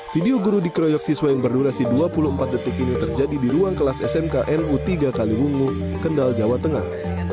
video guru dikeroyok siswa yang berdurasi dua puluh empat detik ini terjadi di ruang kelas smknu tiga kaliwungu kendal jawa tengah